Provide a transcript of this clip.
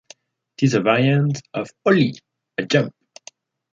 It is a variant of ollie, a jump.